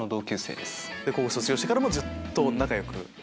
卒業してからもずっと仲良く。